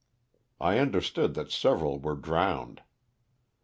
I understood that several were drowned.